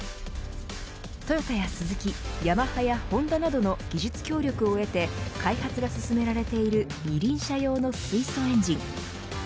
トヨタやスズキヤマハやホンダなどの技術協力を得て開発が進められている二輪車用の水素エンジン。